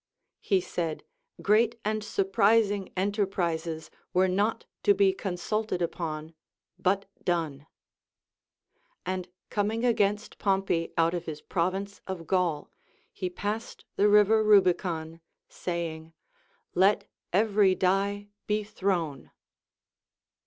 He said, great and surprising enterprises were not to be consulted upon, but done. And coming against Pompey out of his province of Gaul, he l)assed the river Ilubicon, saying. Let every die be thrown.